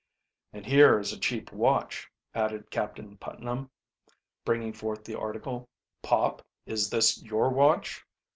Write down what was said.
"And here is a cheap watch," added Captain Putnam, bringing forth the article. "Pop, is this your watch?"